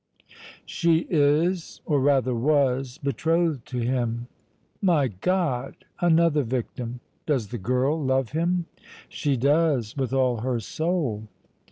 "She is or rather was betrothed to him." "My God! Another victim! Does the girl love him?" "She does, with all her soul!"